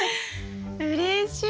うれしい！